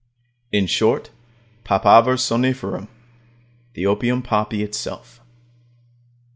In short, Papaver somniferum, the opium poppy itself.